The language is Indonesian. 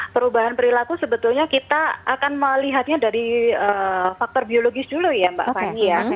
perubahan perilaku sebetulnya kita akan melihatnya dari faktor biologis dulu ya mbak fani ya